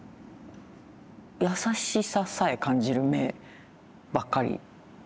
優しささえ感じる目ばっかり。